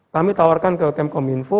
kami tawarkan ke kmkominfo